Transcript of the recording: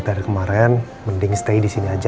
dari kemarin mending stay disini aja